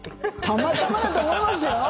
たまたまだと思いますよ。